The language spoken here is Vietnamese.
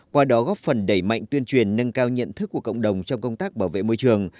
qua đó góp phần đẩy mạnh tuyên truyền nâng cao nhận thức của cộng đồng trong công tác bảo vệ môi trường